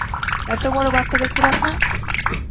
এতো বড়ো বাচ্চা দেখতে পাস না?